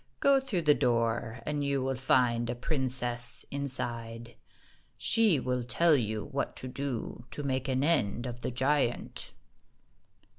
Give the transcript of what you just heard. Go through the door, and you will find a princess inside. She will tell you what to do to make an end of the giant."